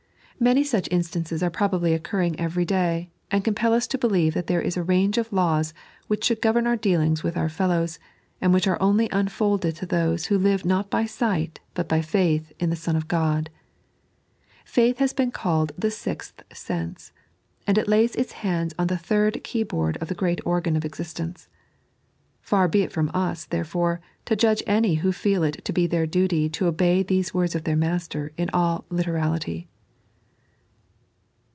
Man; such instances are probably occurring every day, and compel us to believe that there is a range of laws which should govern our dealings with our fellows, and which are only unfolded to those who live not by sight but by faith in the Son of God. Faith has been called the sixth sense, and lays its hands on a third key board of the great organ of existence. Far be it from us, therefore, to judge any who feel it to be their duty to obey these words of the Master in all literality.